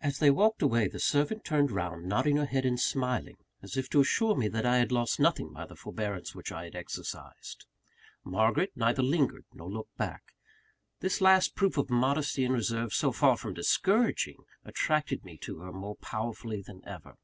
As they walked away, the servant turned round, nodding her head and smiling, as if to assure me that I had lost nothing by the forbearance which I had exercised. Margaret neither lingered nor looked back. This last proof of modesty and reserve, so far from discouraging, attracted me to her more powerfully than ever.